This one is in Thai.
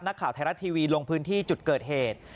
ข่าวไทยรัฐทีวีลงพื้นที่จุดเกิดเหตุ